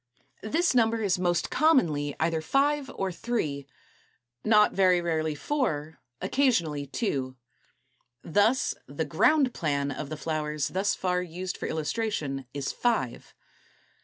This number is most commonly either five or three, not very rarely four, occasionally two. Thus the ground plan of the flowers thus far used for illustration is five.